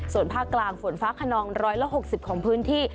ส่วนภาคกลางฝนฟ้าขนอง๑๖๐ของพื้นที่